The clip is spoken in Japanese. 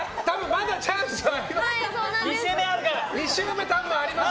まだチャンスあります！